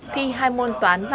khi hai môn toán và ngữ văn